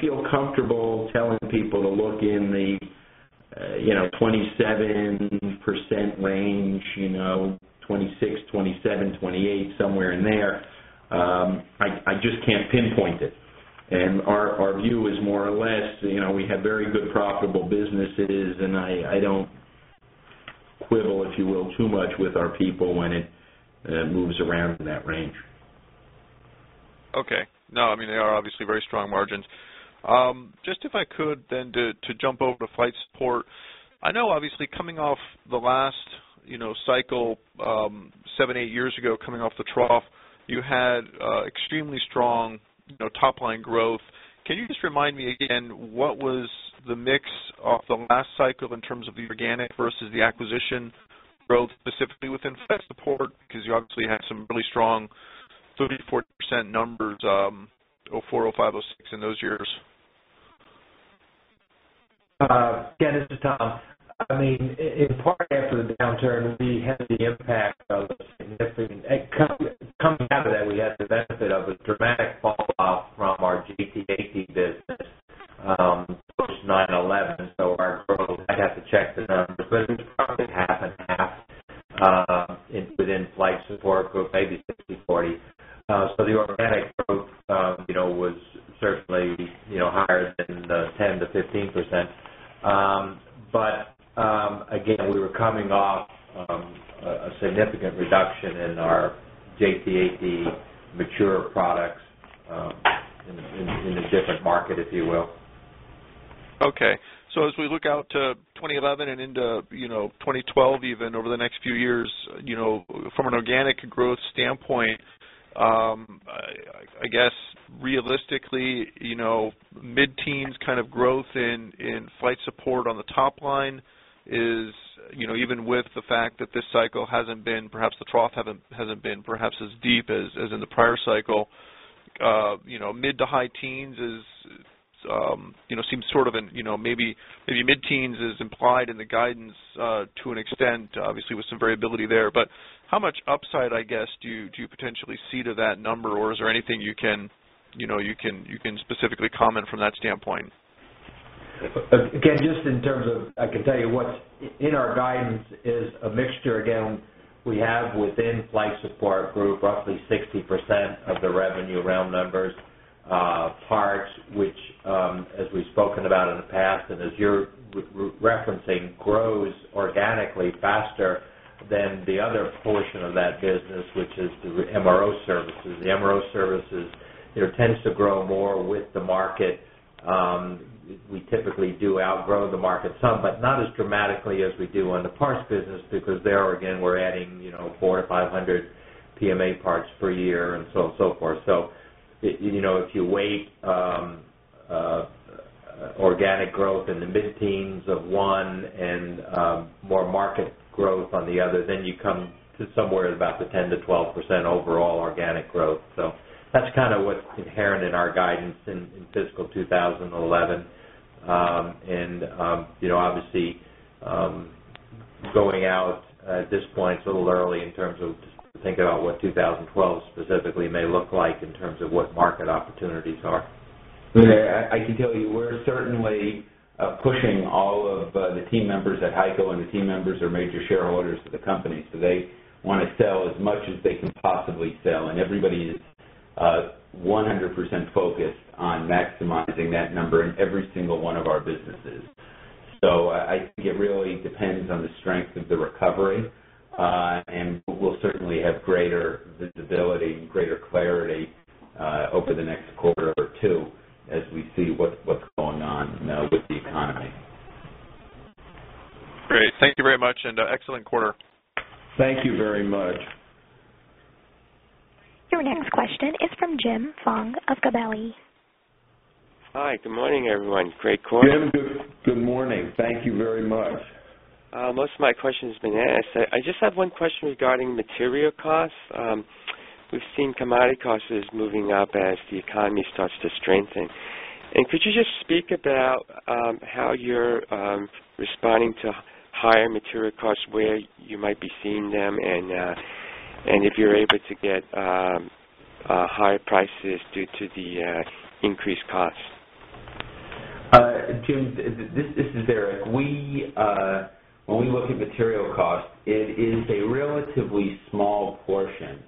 feel comfortable telling people to look in the 27% range, 26%, 27%, 28%, somewhere in there. I just can't pinpoint it. And our view is more or less, we have very good profitable businesses and I don't quibble, if you will, too much with our people when it moves around in that range. Okay. I mean they are obviously very strong margins. Just if I could then to jump over to Flight Support. I know obviously coming off the last cycle 7, 8 years ago coming off the trough, you had extremely strong top line growth. Can you just remind me again what was the mix of the last cycle in terms of the organic versus the acquisition growth specifically within Flex Support because you obviously had some really strong 30% to 40% numbers, 2004, 2005, 2006 in those years? Ken, this is Tom. I mean, in part after the downturn, we had the impact of a significant coming out of that, we had the benefit of a dramatic fall off from our GTAP business, push 911. So our growth, I'd have to check the numbers, but it's probably half and half within flight support growth, maybe 60%, 40%. So the organic growth was certainly higher than the 10% to 15%. But again, we were coming off a significant reduction in our JPAT mature products in a different market, if you will. Okay. So as we look out to 2011 and into 2012 even over the next few years, from an organic growth standpoint, I guess, realistically, mid teens kind of growth in flight support on the top line is even with the fact that this cycle hasn't been perhaps the trough hasn't been perhaps as deep as in the prior cycle, mid to high teens seems sort of maybe mid teens is implied in the guidance to an extent, obviously, with some variability there. But how much upside, I guess, do you potentially see to that number? Or is there anything you can specifically comment from that standpoint? Again, just in terms of I can tell you what's in our guidance is a mixture again. We have within Flight Support Group roughly 60% of the revenue around numbers, parts, which, as we've spoken about in the past and as you're referencing grows organically faster than the other portion of that business, which is through MRO services. The MRO services tends to grow more with the market. We typically do outgrow the market some, but not as dramatically as we do on the parts business because there again we're adding 400 to 500 PMA parts per year and so on and so forth. So if you wait organic growth in the mid teens of 1 more market growth on the other, then you come to somewhere at about the 10% to 12% overall organic growth. So that's kind of what's inherent in our guidance in fiscal 2011. And obviously, going out at this point, it's a little early in terms of think about what 2012 specifically may look like in terms of what market opportunities are? I can tell you, we're certainly pushing all of the team members at HEICO and the team members are major shareholders of the company. So they want to sell as much as they can possibly sell and everybody is 100% focused on maximizing that number in every single one of our businesses. So I think it really depends on the strength of the recovery, and we'll certainly have greater visibility and greater clarity over the next quarter or 2 as we see what's going on now with the economy. Great. Thank you very much and excellent quarter. Thank you very much. Your next question is from Jim Fong of Gabelli. Hi, good morning everyone. Great quarter. Jim, good morning. Thank you very much. Most of my questions have been asked. I just have one question regarding material costs. We've seen commodity costs moving up as the economy starts to strengthen. And could you just speak about how you're responding to higher material costs, where you might be seeing them and if you're able to get higher prices due to the increased costs? Jim, this is Eric. We when we look at material costs, it is a relatively small portion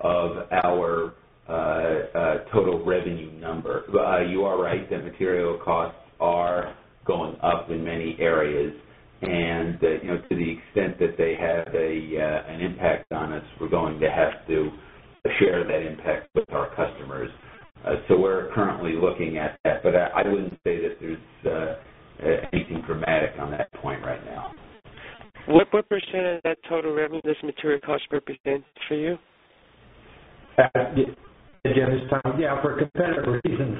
of our total revenue number. You are right, the material costs are going up in many areas. And to the extent that they have an impact on us, we're going to have to share that impact with our customers. So we're currently looking at that, but I wouldn't say that there's anything dramatic on that point right now. What percent of that total revenue does material cost represent for you? Hi, Jim. It's Tom. Yes, for competitive reasons,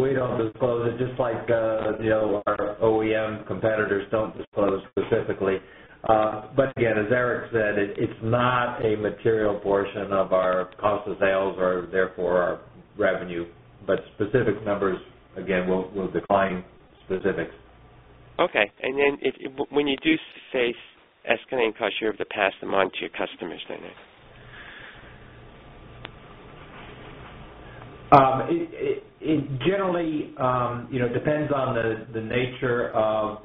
we don't disclose it just like our OEM competitors don't disclose specifically. But again, as Eric said, it's not a material portion of our cost of sales or therefore our revenue, but specific numbers again will decline specific. Okay. And then when you do say escalating cost, you have to pass them on to your customers then? Generally, it depends on the nature of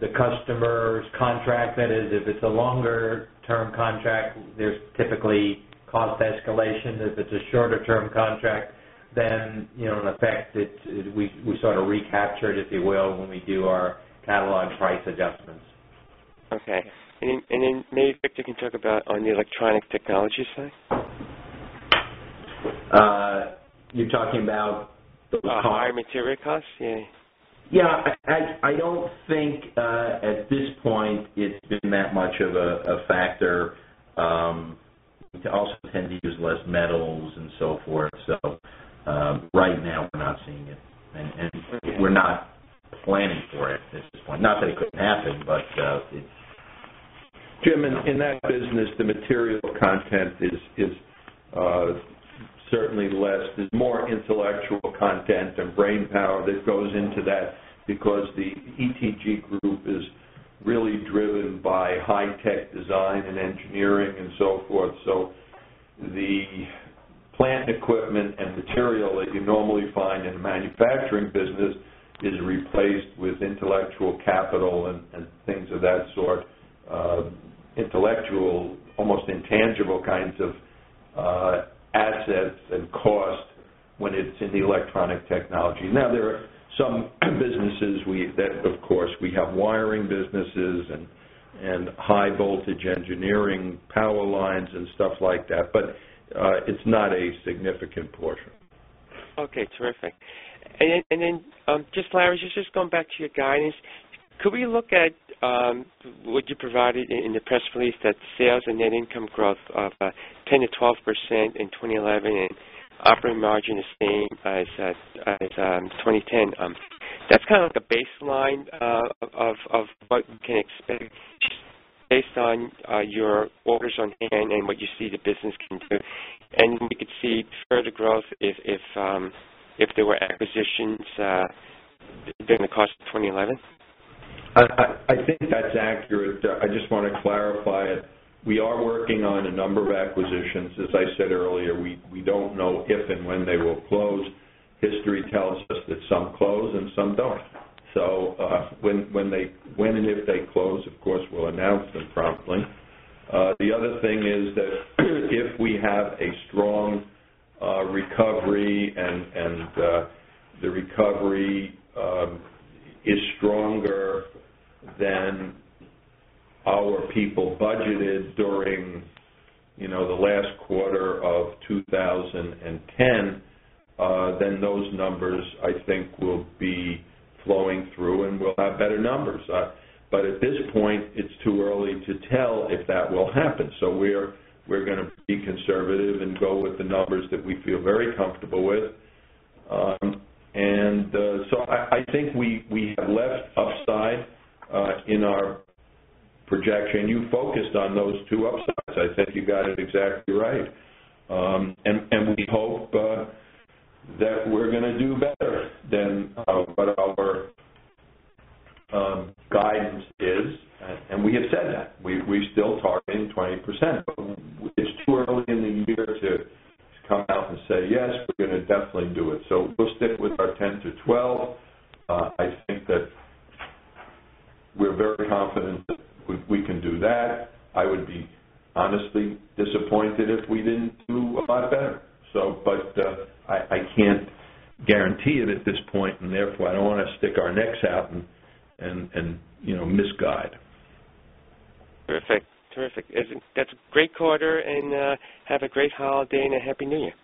the customer's contract that is if it's a longer term contract, there's typically cost escalation. If it's a shorter term contract, then we sort of recaptured if you will when we do our catalog price adjustments. Okay. And then maybe Victor can talk about on the electronic technology side? You're talking about higher material costs? Yes. I don't think at this point it's been that much of a factor. We also tend to use less metals and so forth. So right now, we're not seeing it. And we're not planning for it at this point, not that it couldn't happen, but Jim, in that business, the material content is certainly less there's more intellectual content and brainpower that goes into that because the ETG group is really driven by high-tech design and engineering and so forth. So the plant and equipment and material that you normally find in the manufacturing business is replaced with intellectual capital and things of that sort, intellectual almost intangible kinds of assets and cost when it's in the electronic technology. Now there are some businesses we that of course we have wiring businesses and high voltage engineering, power lines and stuff like that. But it's not a significant portion. Okay, terrific. And then just Larry, just going back to your guidance, could we look at what you provided in the press release that sales and net income growth of 10% to 12% in 2011 and operating margin is same as 2010. That's kind of like a baseline of what we can expect based on your orders on A and M and what you see the business can do. And we could see further growth if there were acquisitions during the course of 2011? I think that's accurate. I just want to clarify it. We are working on a number of acquisitions. As I said earlier, we don't know if and when they will close. History tells us that some close and some don't. So when they when and if they close, of course, we'll announce them promptly. The other thing is that if we have a strong recovery and the recovery is stronger than our people budgeted during the last quarter of 2010, then those numbers I think will be flowing through and we'll have better numbers. But at this point, it's too early to tell if that will happen. So we're going to be conservative and go with the numbers that we feel very comfortable with. And so I think we have left upside in our projection. You focused on those 2 upsides. I think you got it exactly right. And we hope that we're going to do better than what our guidance is. And we have said that. We still targeting 20%. It's too early in the year to come out and say, yes, we're going to definitely do it. So we'll stick with our 10% to 12. I think that we're very confident that we can do that. I would be honestly disappointed if we didn't do a lot better. So but I can't guarantee it at this point and therefore I don't want to stick our necks out and misguide. Perfect. That's a great quarter and have a great holiday and a happy New Year.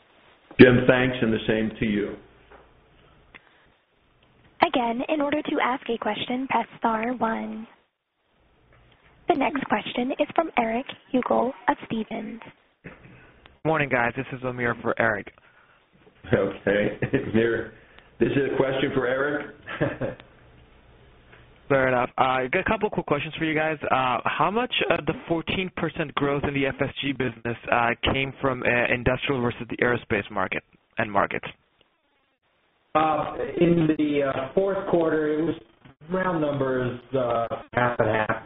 Jim, thanks and the same to you. The next question is from Eric Huegel of Stephens. Good morning, guys. This is Amir for Eric. Okay. Amir, this is a question for Eric. Fair enough. I got a couple of quick questions for you guys. How much of the fourteen percent growth in the FSG business came from industrial versus the aerospace market end markets? In the Q4, round number is half and half.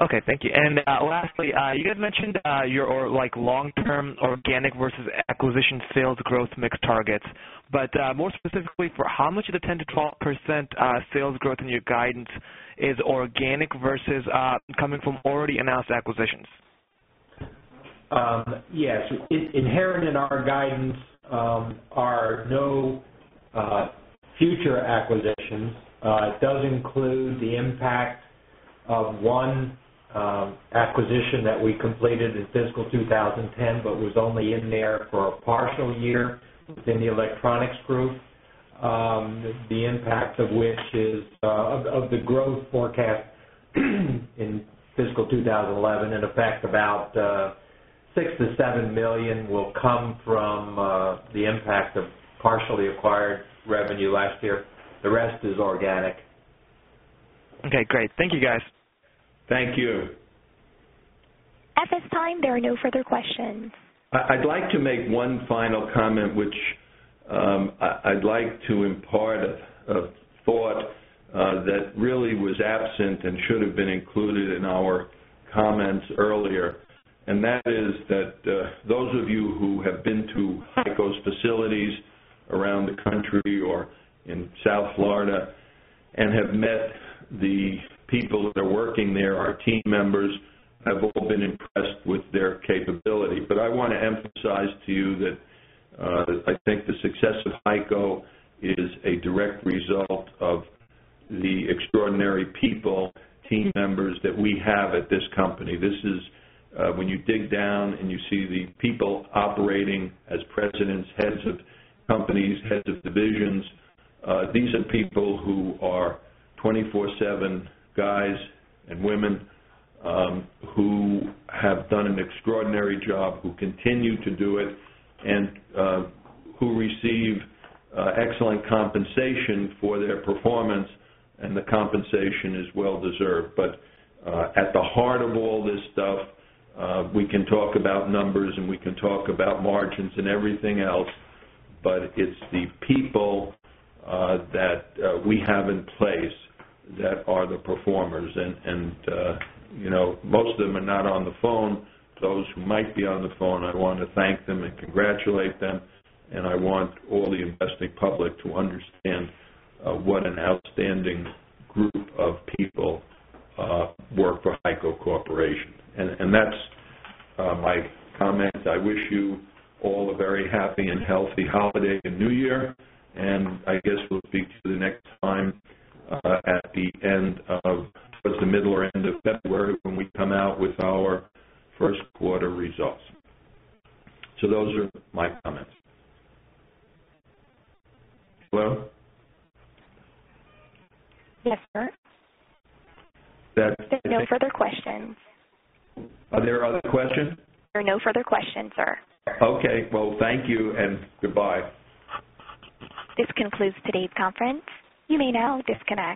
Okay. Thank you. And lastly, you had mentioned your like long term organic versus acquisition sales growth mix targets. But more specifically for how much of the 10% to 12% sales growth in your guidance is organic versus coming from already announced acquisitions? Yes. Inherent in our guidance are no future acquisitions. It does include the impact of 1 acquisition that we completed in fiscal 2010, but was only in there for a partial year within the Electronics Group. The impact of which is of the growth forecast in fiscal 2011 and affects about $6,000,000 to $7,000,000 will come from the impact of partially acquired revenue last year. The rest is organic. Okay, great. Thank you, guys. Thank you. At this time, there are no further questions. I'd like to make one final comment, which I'd like to impart a thought that really was absent and should have been included in our comments earlier. And that is that those of you who have been to HEICO's facilities around the country or in South Florida and have met the people that are working there, our team members have all been impressed with their capability. But I want to emphasize to you that, I think the success of HEICO is a direct result of the extraordinary people, team members that we have at this company. This is when you dig down and you see the people operating as presidents, heads of companies, heads of divisions, decent people who are 20 fourseven guys and women, who have done an extraordinary job, who continue to do it and who receive excellent compensation for their performance and the compensation is well deserved. But at the heart of all this stuff, we can talk about numbers and we can talk about margins and everything else, but it's the people that we have in place that are the performers. And most of them are not on the phone, those who might be on the phone, I want to thank them and congratulate them. And I want all the investing public to understand what an outstanding group of people work for HEICO Corporation. And that's my comments. I wish you all a very happy and healthy holiday and New Year. And I guess we'll speak to you the next time at the end of the middle or end of February when we come out with our Q1 results. So those are my comments. Hello? Yes, sir. There are no further questions. Are there other questions? There are no further questions, sir. Okay. Well, thank you and goodbye. This concludes today's conference. You may now disconnect.